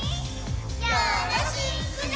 よろしくね！